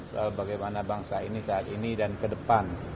soal bagaimana bangsa ini saat ini dan ke depan